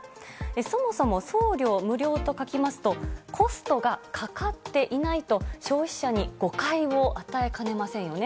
そもそも、送料無料と書きますとコストがかかっていないと消費者に誤解を与えかねませんよね。